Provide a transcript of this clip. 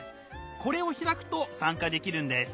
これを開くと参加できるんです。